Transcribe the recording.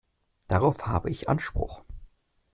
Darauf habe ich Anspruch.